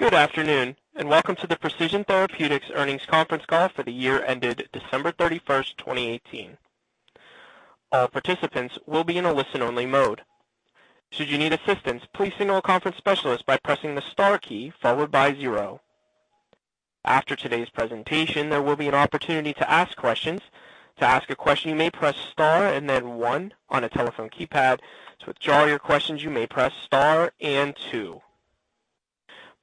Good afternoon, and welcome to the Precision Therapeutics Earnings Conference Call for the year ended December 31, 2018. All participants will be in a listen-only mode. Should you need assistance, please signal a conference specialist by pressing the star key followed by zero. After today's presentation, there will be an opportunity to ask questions. To ask a question, you may press star and then one on a telephone keypad. To withdraw your questions, you may press star and two.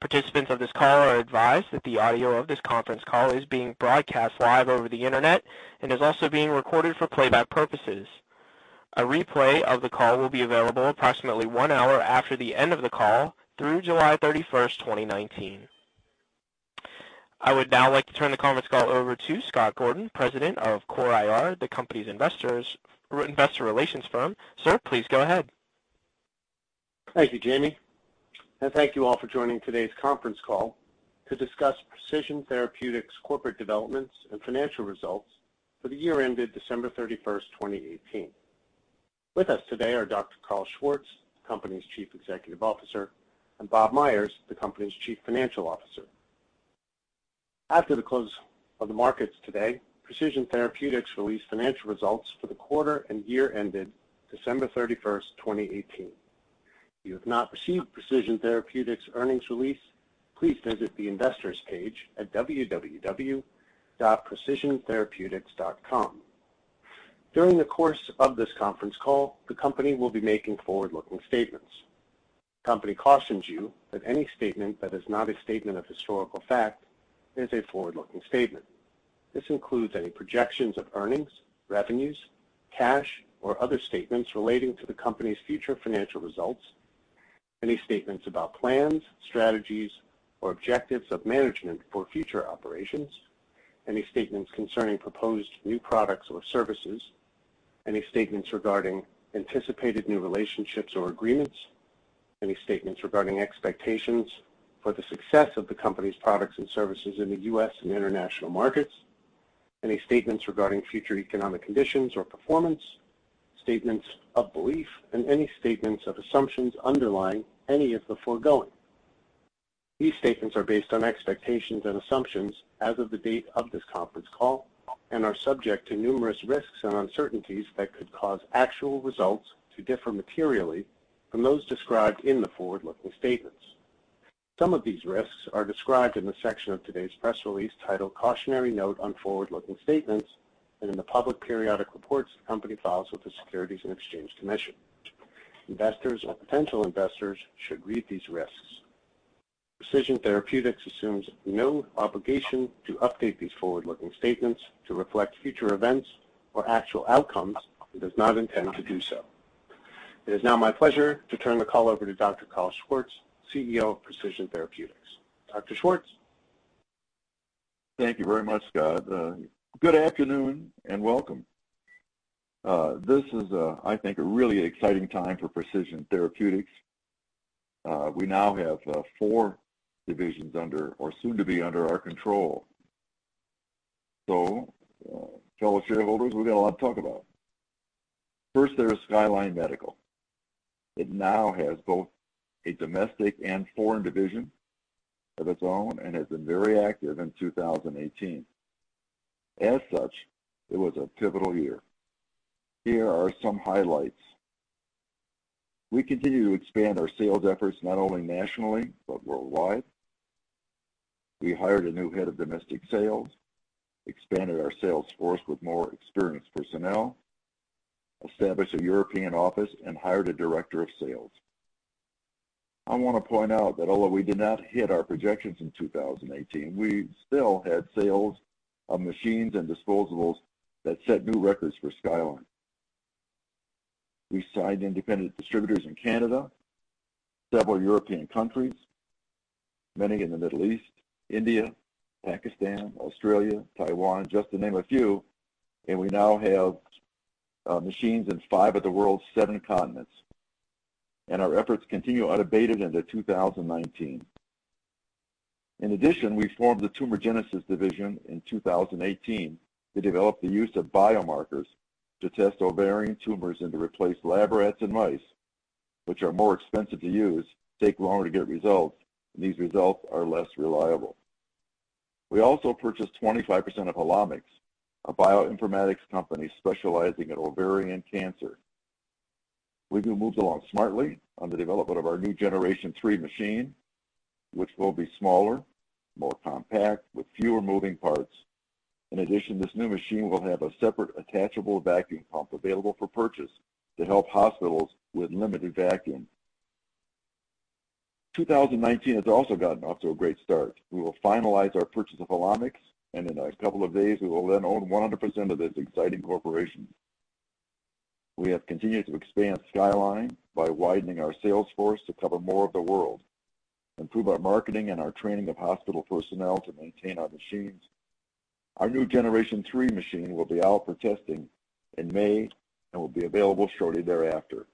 Participants of this call are advised that the audio of this conference call is being broadcast live over the Internet and is also being recorded for playback purposes. A replay of the call will be available approximately one hour after the end of the call through July 31, 2019. I would now like to turn the conference call over to Scott Gordon, President of CORE IR, the company's investor relations firm. Sir, please go ahead. Thank you, Jamie. Thank you all for joining today's conference call to discuss Precision Therapeutics corporate developments and financial results for the year ended December 31, 2018. With us today are Dr. Carl Schwartz, the company's Chief Executive Officer and Bob Myers, the company's Chief Financial Officer. After the close of the markets today, Precision Therapeutics released financial results for the quarter and year ended December 31, 2018. If you have not received Precision Therapeutics earnings release, please visit the investors page at www.precisiontherapeutics.com. During the course of this conference call, the company will be making forward-looking statements. The company cautions you that any statement that is not a statement of historical fact is a forward-looking statement. This includes any projections of earnings, revenues, cash or other statements relating to the company's future financial results, any statements about plans, strategies or objectives of management for future operations, any statements concerning proposed new products or services, any statements regarding anticipated new relationships or agreements, any statements regarding expectations for the success of the company's products and services in the U.S. and international markets, any statements regarding future economic conditions or performance, statements of belief and any statements of assumptions underlying any of the foregoing. These statements are based on expectations and assumptions as of the date of this conference call and are subject to numerous risks and uncertainties that could cause actual results to differ materially from those described in the forward-looking statements. Some of these risks are described in the section of today's press release titled Cautionary Note on Forward Looking Statements and in the public periodic reports the company files with the Securities and Exchange Commission. Investors or potential investors should read these risks. Precision Therapeutics assumes no obligation to update these forward-looking statements to reflect future events or actual outcomes, and does not intend to do so. It is now my pleasure to turn the call over to Dr. Carl Schwartz, CEO of Precision Therapeutics. Dr. Schwartz? Thank you very much, Scott. Good afternoon and welcome. This is, I think a really exciting time for Precision Therapeutics. We now have, four divisions under or soon to be under our control. Fellow shareholders, we've got a lot to talk about. First, there is Skyline Medical. It now has both a domestic and foreign division of its own and has been very active in 2018. As such, it was a pivotal year. Here are some highlights. We continue to expand our sales efforts, not only nationally but worldwide. We hired a new head of domestic sales, expanded our sales force with more experienced personnel, established a European office and hired a director of sales. I wanna point out that although we did not hit our projections in 2018, we still had sales of machines and disposables that set new records for Skyline. We signed independent distributors in Canada, several European countries, many in the Middle East, India, Pakistan, Australia, Taiwan, just to name a few and we now have machines in five of the world's seven continents and our efforts continue unabated into 2019. In addition, we formed the Tumor Genesis division in 2018 to develop the use of biomarkers to test ovarian tumors and to replace lab rats and mice, which are more expensive to use, take longer to get results and these results are less reliable. We also purchased 25% of Helomics, a bioinformatics company specializing in ovarian cancer. We've moved along smartly on the development of our new Generation Three machine, which will be smaller, more compact, with fewer moving parts. In addition, this new machine will have a separate attachable vacuum pump available for purchase to help hospitals with limited vacuum. 2019 has also gotten off to a great start. We will finalize our purchase of Helomics and in a couple of days, we will then own 100% of this exciting corporation. We have continued to expand Skyline by widening our sales force to cover more of the world, improve our marketing and our training of hospital personnel to maintain our machines. Our new Generation Three machine will be out for testing in May and will be available shortly thereafter.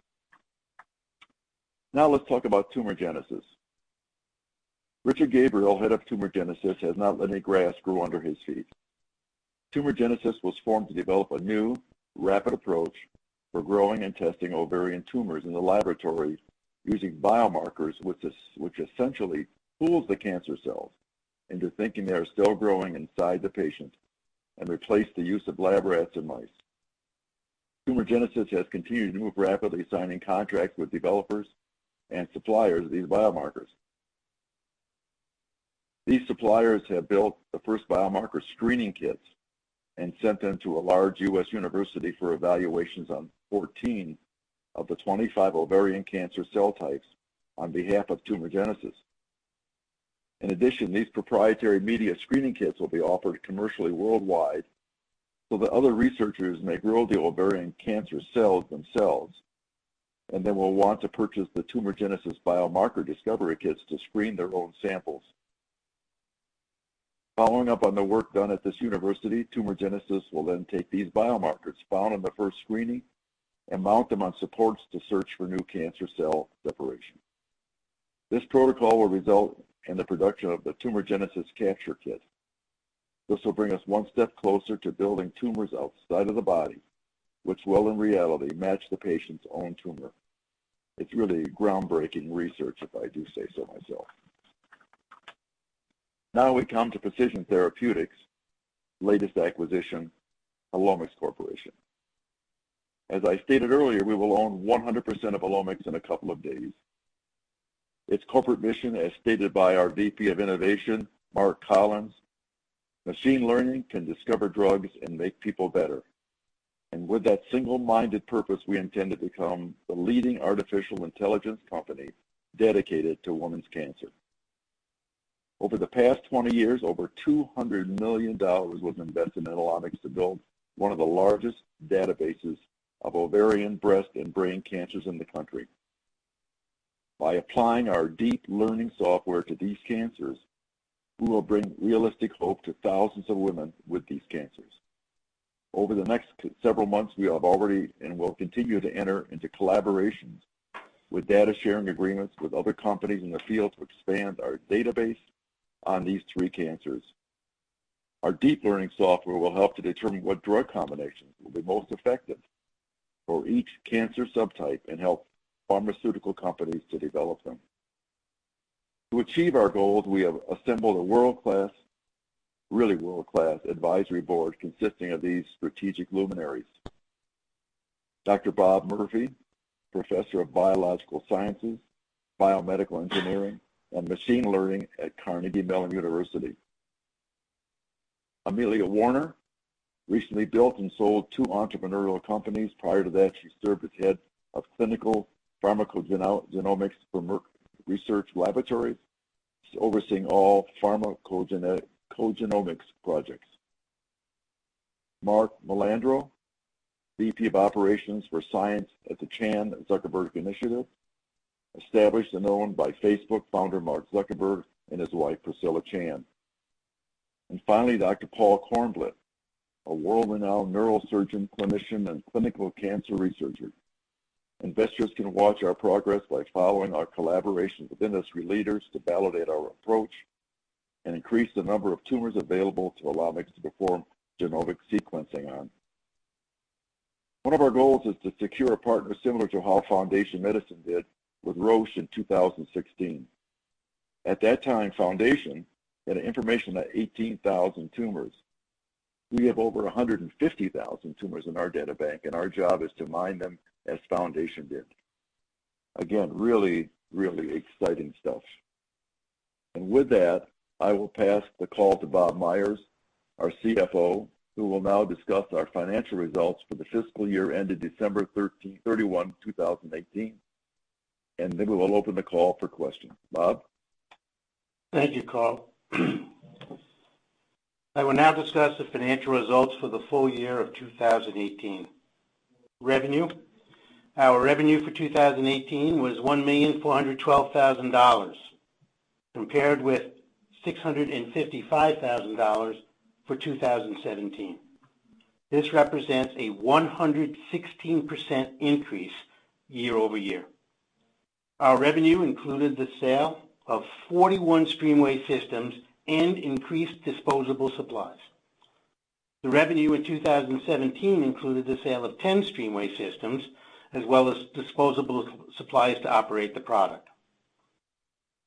Now let's talk about Tumor Genesis. Richard Gabriel, head of Tumor Genesis, has not let any grass grow under his feet. Tumor Genesis was formed to develop a new rapid approach for growing and testing ovarian tumors in the laboratory using biomarkers which essentially fools the cancer cells into thinking they are still growing inside the patient and replace the use of lab rats and mice. Tumor Genesis has continued to move rapidly, signing contracts with developers and suppliers of these biomarkers. These suppliers have built the first biomarker screening kits and sent them to a large U.S. university for evaluations on 14 of the 25 ovarian cancer cell types on behalf of Tumor Genesis. In addition, these proprietary media screening kits will be offered commercially worldwide so that other researchers may grow the ovarian cancer cells themselves and then will want to purchase the Tumor Genesis biomarker discovery kits to screen their own samples. Following up on the work done at this university, Tumor Genesis will then take these biomarkers found in the first screening and mount them on supports to search for new cancer cell separation. This protocol will result in the production of the Tumor Genesis capture kit. This will bring us one step closer to building tumors outside of the body, which will in reality match the patient's own tumor. It's really groundbreaking research, if I do say so myself. Now we come to Precision Therapeutics' latest acquisition, Helomics Corporation. As I stated earlier, we will own 100% of Helomics in a couple of days. Its corporate mission, as stated by our VP of Innovation, Mark Collins, "Machine learning can discover drugs and make people better." With that single-minded purpose, we intend to become the leading artificial intelligence company dedicated to women's cancer. Over the past 20 years, over $200 million was invested in Helomics to build one of the largest databases of ovarian, breast and brain cancers in the country. By applying our deep learning software to these cancers, we will bring realistic hope to thousands of women with these cancers. Over the next several months, we have already and will continue to enter into collaborations with data-sharing agreements with other companies in the field to expand our database on these three cancers. Our deep learning software will help to determine what drug combinations will be most effective for each cancer subtype and help pharmaceutical companies to develop them. To achieve our goals, we have assembled a world-class, really world-class advisory board consisting of these strategic luminaries. Dr. Bob Murphy, Professor of Biological Sciences, Biomedical Engineering and Machine Learning at Carnegie Mellon University. Amelia Warner recently built and sold two entrepreneurial companies. Prior to that, she served as Head of Clinical Pharmacogenomics for Merck Research Laboratories, overseeing all pharmacogenomics projects. Marc Malandro, VP of Operations for Science at the Chan Zuckerberg Initiative, established and owned by Facebook founder Mark Zuckerberg and his wife, Priscilla Chan. Finally, Dr. Paul Kornblith, a world-renowned neurosurgeon, clinician and clinical cancer researcher. Investors can watch our progress by following our collaborations with industry leaders to validate our approach and increase the number of tumors available to Helomics to perform genomic sequencing on. One of our goals is to secure a partner similar to how Foundation Medicine did with Roche in 2016. At that time, Foundation had information on 18,000 tumors. We have over 150,000 tumors in our data bank and our job is to mine them as Foundation did. Again, really, really exciting stuff. With that, I will pass the call to Bob Myers, our CFO, who will now discuss our financial results for the fiscal year ended December 31, 2018 and then we will open the call for questions. Bob? Thank you, Carl. I will now discuss the financial results for the full year of 2018. Revenue. Our revenue for 2018 was $1,412,000, compared with $655,000 for 2017. This represents a 116% increase year-over-year. Our revenue included the sale of 41 STREAMWAY systems and increased disposable supplies. The revenue in 2017 included the sale of 10 STREAMWAY systems as well as disposable supplies to operate the product.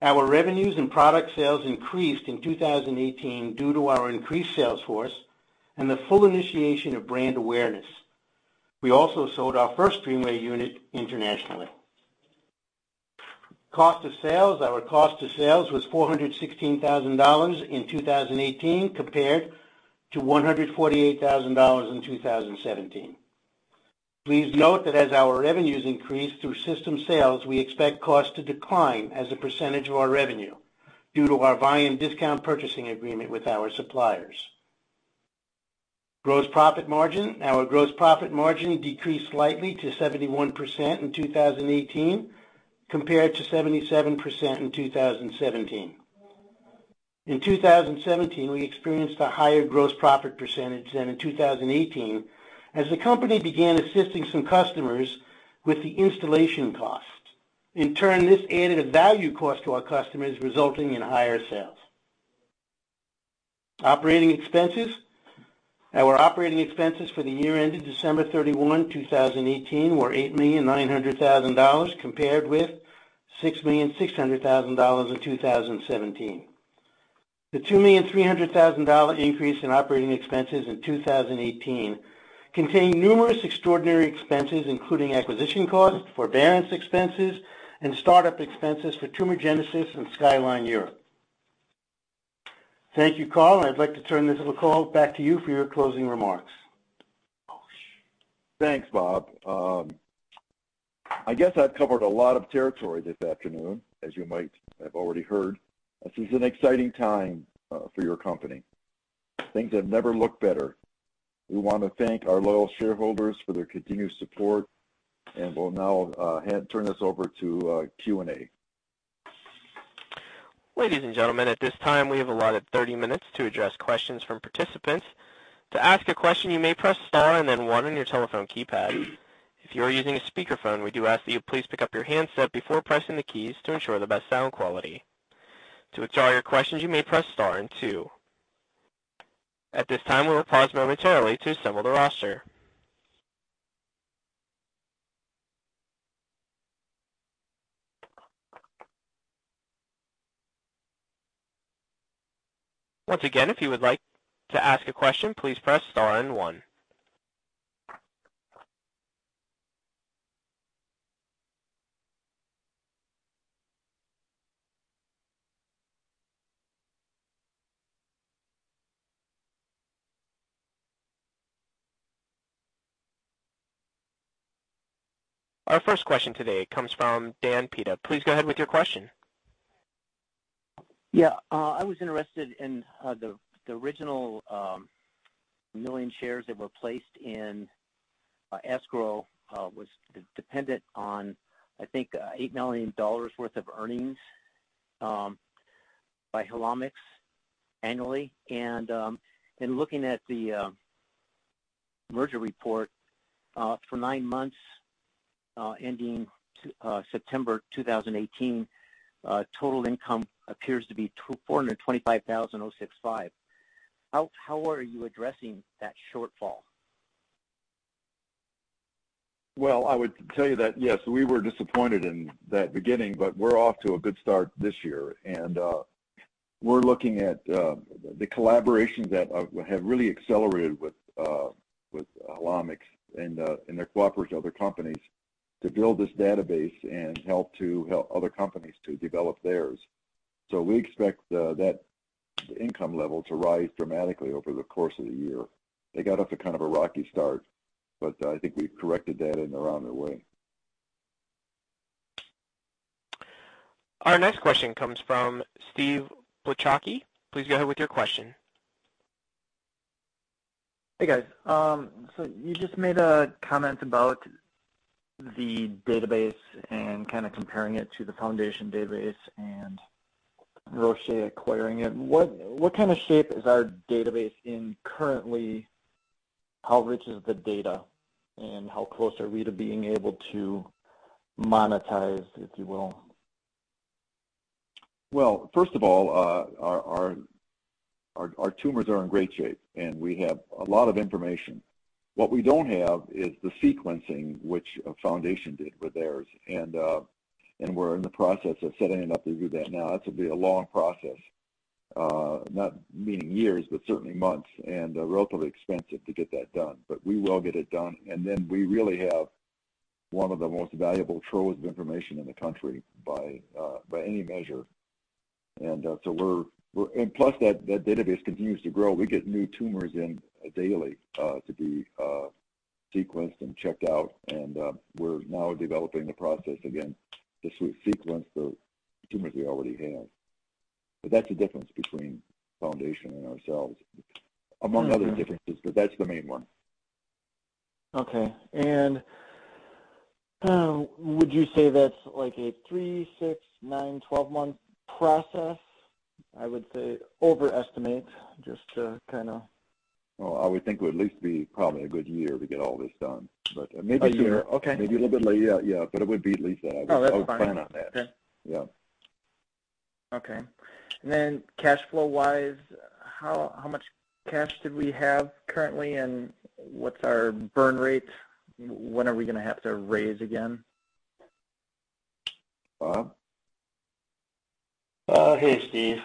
Our revenues and product sales increased in 2018 due to our increased sales force and the full initiation of brand awareness. We also sold our first STREAMWAY unit internationally. Cost of sales. Our cost of sales was $416,000 in 2018 compared to $148,000 in 2017. Please note that as our revenues increase through system sales, we expect costs to decline as a percentage of our revenue due to our volume discount purchasing agreement with our suppliers. Gross profit margin. Our gross profit margin decreased slightly to 71% in 2018, compared to 77% in 2017. In 2017, we experienced a higher gross profit percentage than in 2018 as the company began assisting some customers with the installation costs. In turn, this added a value cost to our customers, resulting in higher sales. Operating expenses. Our operating expenses for the year ended December 31, 2018 were $8.9 million compared with $6.6 million in 2017. The $2.3 million increase in operating expenses in 2018 contained numerous extraordinary expenses, including acquisition costs, forbearance expenses, and startup expenses for Tumor Genesis and Skyline Europe. Thank you, Carl. I'd like to turn this call back to you for your closing remarks. Thanks, Bob. I guess I've covered a lot of territory this afternoon, as you might have already heard. This is an exciting time for your company. Things have never looked better. We wanna thank our loyal shareholders for their continued support and we'll now turn this over to Q&A. Ladies and gentlemen, at this time, we have allotted 30 minutes to address questions from participants. To ask a question, you may press star and then one on your telephone keypad. If you are using a speakerphone, we do ask that you please pick up your handset before pressing the keys to ensure the best sound quality. To withdraw your questions, you may press star and two. At this time, we will pause momentarily to assemble the roster. Once again, if you would like to ask a question, please press star and one. Our first question today comes from Dan Pita. Please go ahead with your question. Yeah. I was interested in the original million shares that were placed in Escrow was dependent on, I think, $8 million worth of earnings by Helomics annually. In looking at the merger report for nine months ending September 2018, total income appears to be $425,065. How are you addressing that shortfall? Well, I would tell you that yes, we were disappointed in that beginning but we're off to a good start this year. We're looking at the collaboration that have really accelerated with Helomics and their cooperation with other companies to build this database and help other companies to develop theirs. We expect that income level to rise dramatically over the course of the year. They got off to kind of a rocky start but I think we've corrected that and are on their way. Our next question comes from Steve Buchaki. Please go ahead with your question. Hey, guys. So you just made a comment about the database and kinda comparing it to the Foundation database and Roche acquiring it. What kind of shape is our database in currently? How rich is the data and how close are we to being able to monetize, if you will? Well, first of all, our tumors are in great shape and we have a lot of information. What we don't have is the sequencing which Foundation did with theirs. We're in the process of setting it up to do that now. That's gonna be a long process, not meaning years, but certainly months and relatively expensive to get that done. We will get it done and then we really have one of the most valuable troves of information in the country by any measure. We're and plus, that database continues to grow. We get new tumors in daily to be sequenced and checked out. We're now developing the process again to sequence the tumors we already have. That's the difference between Foundation and ourselves, among other differences but that's the main one. Okay. Would you say that's like a three-, six-, nine-, 12-month process? I would say overestimate, just to kinda... Well, I would think it would at least be probably a good year to get all this done, but maybe. A year. Okay. Maybe a little bit later. Yeah. Yeah. It would be at least that. Oh, that's fine. I would plan on that. Okay. Yeah. Okay. Cash flow-wise, how much cash do we have currently and what's our burn rate? When are we gonna have to raise again? Bob? Hey, Steve.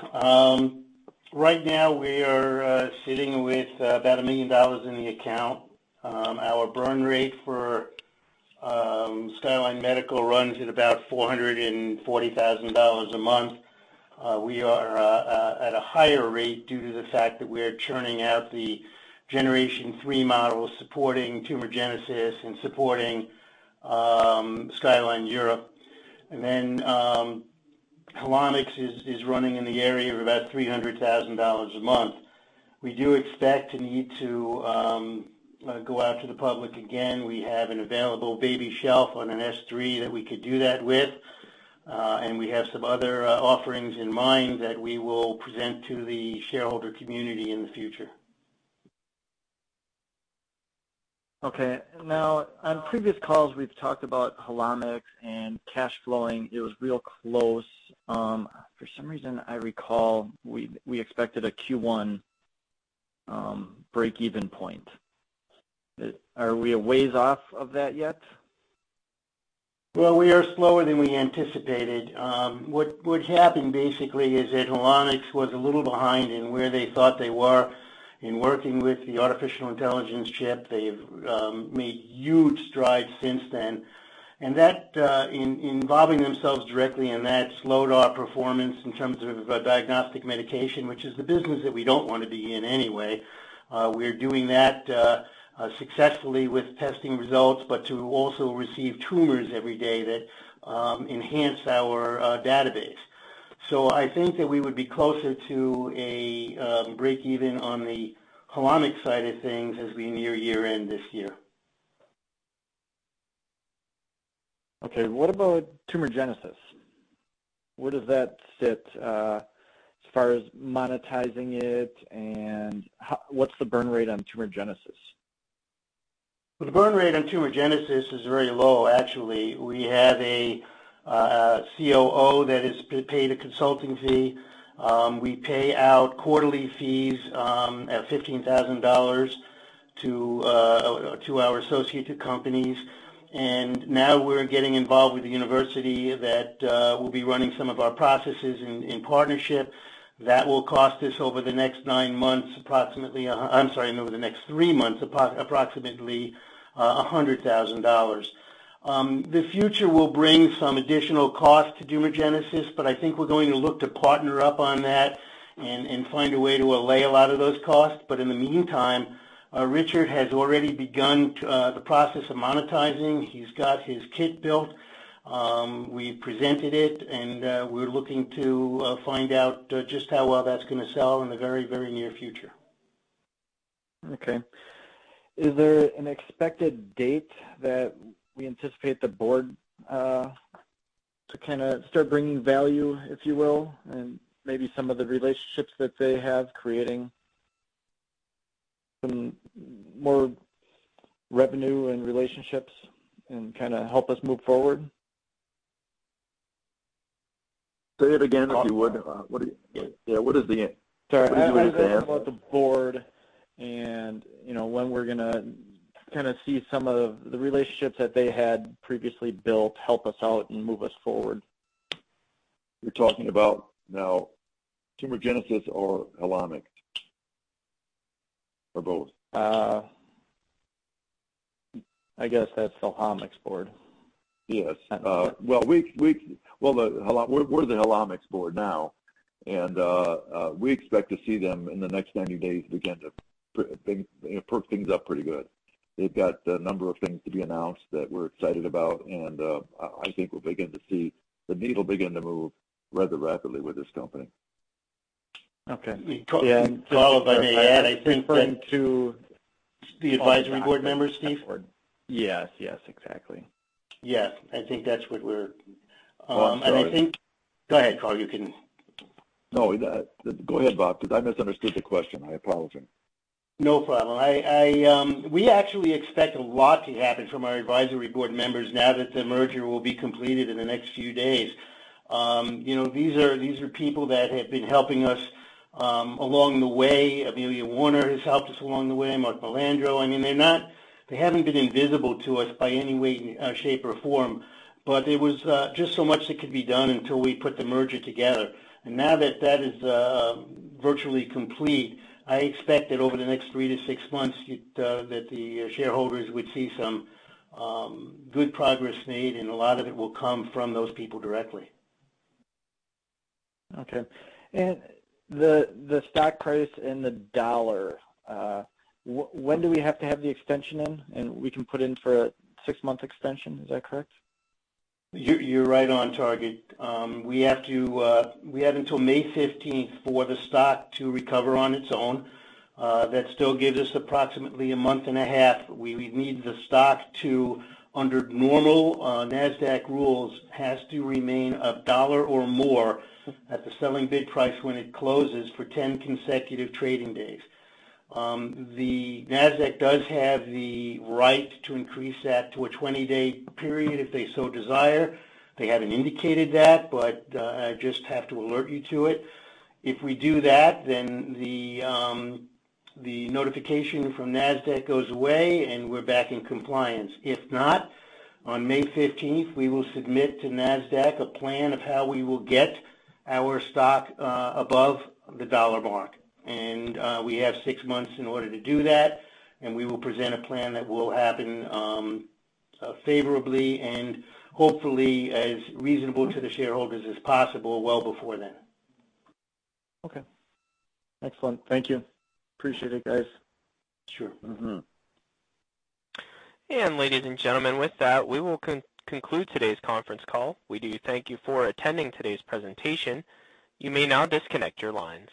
Right now we are sitting with about $1 million in the account. Our burn rate for Skyline Medical runs at about $440,000 a month. We are at a higher rate due to the fact that we are churning out the Generation Three models supporting Tumor Genesis and supporting Skyline Europe. Helomics is running in the area of about $300,000 a month. We do expect to need to go out to the public again. We have an available baby shelf on an S-3 that we could do that with and we have some other offerings in mind that we will present to the shareholder community in the future. Okay. Now on previous calls, we've talked about Helomics and cash flowing. It was real close. For some reason, I recall we expected a Q1 break-even point. Are we a ways off of that yet? Well, we are slower than we anticipated. What happened basically is that Helomics was a little behind in where they thought they were in working with the artificial intelligence chip. They've made huge strides since then. That involving themselves directly in that slowed our performance in terms of diagnostic medication which is the business that we don't wanna be in anyway. We're doing that successfully with testing results but to also receive tumors every day that enhance our database. I think that we would be closer to a break even on the Helomics side of things as we near year-end this year. Okay. What about Tumor Genesis? Where does that sit, as far as monetizing it and what's the burn rate on Tumor Genesis? The burn rate on Tumor Genesis is very low actually. We have a COO that is paid a consulting fee. We pay out quarterly fees at $15,000 to our associated companies. Now we're getting involved with the university that will be running some of our processes in partnership. That will cost us over the next three months, approximately $100,000. The future will bring some additional cost to Tumor Genesis but I think we're going to look to partner up on that and find a way to allay a lot of those costs. In the meantime, Richard has already begun the process of monetizing. He's got his kit built. We presented it and we're looking to find out just how well that's gonna sell in the very, very near future. Okay. Is there an expected date that we anticipate the board to kinda start bringing value, if you will, and maybe some of the relationships that they have creating some more revenue and relationships and kinda help us move forward? Say it again, if you would. Yeah, what is the- Sorry. What is- I'm asking about the board and, you know, when we're gonna kinda see some of the relationships that they had previously built help us out and move us forward. You're talking about now Tumor Genesis or Helomics? Or both? I guess that's Helomics board. Yes. Well, we're the Helomics board now and we expect to see them in the next 90 days begin to you know, perk things up pretty good. They've got a number of things to be announced that we're excited about and I think we'll begin to see the needle begin to move rather rapidly with this company. Okay. Carl, if I may add, I think that. Referring to- The advisory board members, Steve? Yes. Yes, exactly. Yes. I think that's what we're. Oh, I'm sorry. Go ahead, Carl, you can No. Go ahead, Bob, 'cause I misunderstood the question. I apologize. No problem. We actually expect a lot to happen from our advisory board members now that the merger will be completed in the next few days. You know, these are people that have been helping us along the way. Amelia Warner has helped us along the way, Marc Malandro. I mean, they're not. They haven't been invisible to us by any way, shape or form but there was just so much that could be done until we put the merger together. Now that that is virtually complete, I expect that over the next three to six months, that the shareholders would see some good progress made, and a lot of it will come from those people directly. Okay. The stock price and the dollar, when do we have to have the extension in? We can put in for a six-month extension, is that correct? You're right on target. We have until May 15 for the stock to recover on its own. That still gives us approximately a month and a half. We need the stock to under normal Nasdaq rules, has to remain $1 or more at the closing bid price when it closes for 10 consecutive trading days. The Nasdaq does have the right to increase that to a 20-day period if they so desire. They haven't indicated that but I just have to alert you to it. If we do that, then the notification from Nasdaq goes away and we're back in compliance. If not, on May 15, we will submit to Nasdaq a plan of how we will get our stock above the $1 mark. We have six months in order to do that and we will present a plan that will happen, favorably and hopefully as reasonable to the shareholders as possible well before then. Okay. Excellent. Thank you. Appreciate it, guys. Sure. Mm-hmm. Ladies and gentlemen, with that, we will conclude today's conference call. We do thank you for attending today's presentation. You may now disconnect your lines.